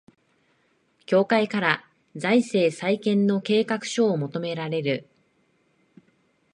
協会から財政再建の計画書を求められる